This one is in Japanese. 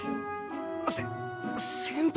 せ先輩！